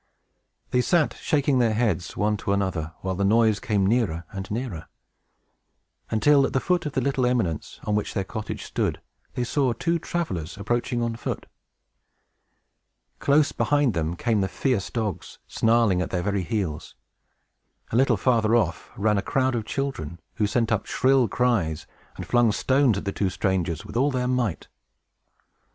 They sat shaking their heads, one to another, while the noise came nearer and nearer; until, at the foot of the little eminence on which their cottage stood, they saw two travelers approaching on foot. Close behind them came the fierce dogs, snarling at their very heels. A little farther off, ran a crowd of children, who sent up shrill cries, and flung stones at the two strangers, with all their might.